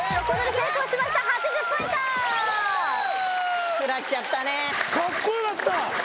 成功しました８０ポイント食らっちゃったねかっこよかった